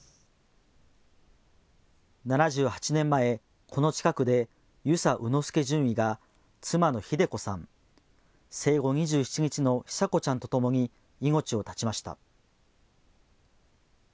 ７８年前、この近くで遊佐卯之助准尉が妻の秀子さん、生後２７日の久子ちゃんとともに命を絶ちました。